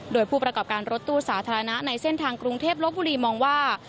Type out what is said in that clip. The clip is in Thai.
โดยผู้ประกอบการรถตู้สาธารณะในเส้นทางกรุงเทพลบบุรีมองว่า